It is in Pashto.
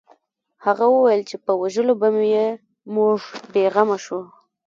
هغه وویل چې په وژلو به یې موږ بې غمه شو